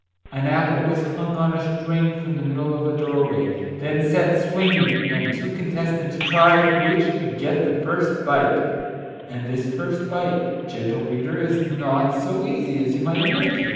An apple was hung on a string from the middle of a doorway, then set swing ing, and two contestants tried which could get the first bite, — and this first bite, gentle reader, is not so easy as you might imagine